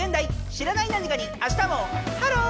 知らない何かにあしたもハロー！